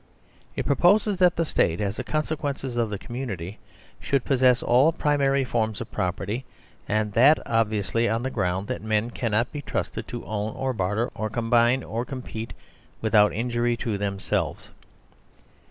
It proposes that the State, as the conscience of the community, should possess all primary forms of property; and that obviously on the ground that men cannot be trusted to own or barter or combine or compete without injury to themselves.